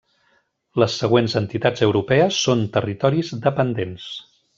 Les següents entitats europees són territoris dependents.